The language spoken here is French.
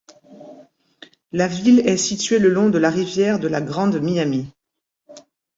La ville est située le long de la rivière de la Grande Miami.